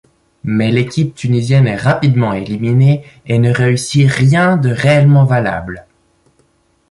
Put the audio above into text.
Mais l'équipe tunisienne est rapidement éliminée et ne réussit rien de réellement valable.